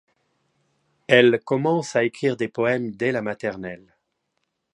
Elle commence à écrire des poèmes dès la maternelle.